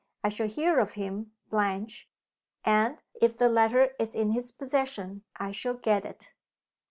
I shall hear of him, Blanche and, if the letter is in his possession, I shall get it."